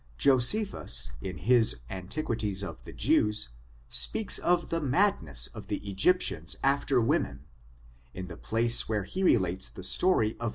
JosEPHUs, in his Antiquities of the Je\vs, speaks of the madness of the Egyptians after women, in the place where he relates the story of.